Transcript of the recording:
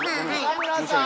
岡村さん！